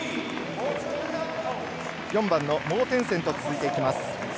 ４番のモーテンセンと続いていきます。